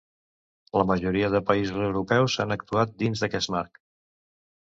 La majoria de països europeus han actuat dins d’aquest marc.